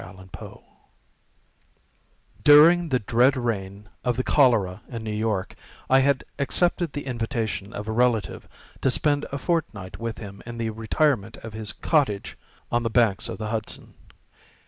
_ THE SPHINX During the dread reign of the cholera in New York, I had accepted the invitation of a relative to spend a fortnight with him in the retirement of his cottage ornée on the banks of the Hudson.